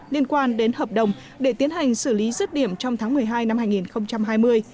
liên quan đến hợp đồng để tiến hành xử lý rứt điểm trong tháng một mươi hai năm hai nghìn hai mươi